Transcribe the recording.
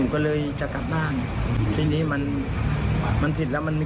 ก็จบยังไง